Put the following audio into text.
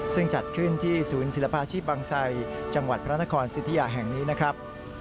ซึ่งจัดขึ้นที่ศูนย์ศิลภาชีพบังไสจังหวัดพระนครสิทธิยาแห่งนี้นะครับ